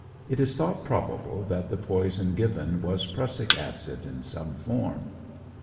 It is thought probable that the poison given was prussic acid in some form.